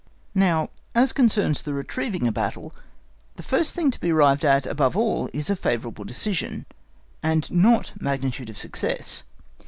Now as concerns the retrieving a battle, the first thing to be arrived at above all is a favourable decision and not magnitude of success.